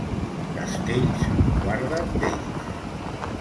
Castells, guarda't d'ells.